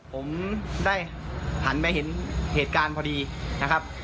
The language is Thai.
ผมได้หันมาเห็นเหตุการณ์พอดีนะครับ